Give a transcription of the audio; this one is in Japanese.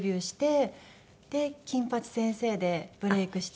で『金八先生』でブレークして。